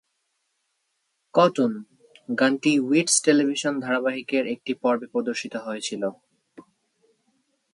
"Cotton" গানটি "weeds" television ধারাবাহিকের একটি পর্বে প্রদর্শিত হয়েছিল।